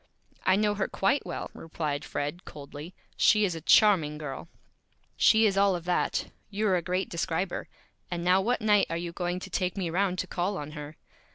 "I know her Quite Well," replied Fred, coldly. "She is a Charming Girl." "She is all of that. You're a great Describer. And now what Night are you going to take me around to Call on her?"